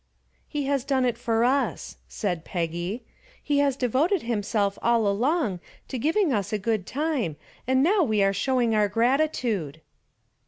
"He has done it for us," said Peggy. "He has devoted himself all along to giving us a good time and now we are showing our gratitude."